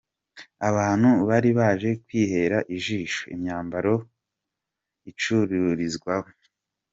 Abantu bari baje kwihera ijisho imyambaro icururizwa.